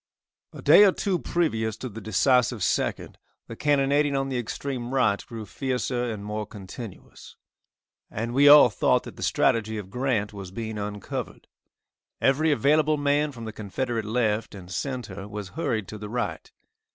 A day or two previous to the decisive 2nd, the cannonading on the extreme right grew fiercer and more continuous, and we all thought that the strategy of Grant was being uncovered. Every available man from the Confederate left and centre was hurried to the right.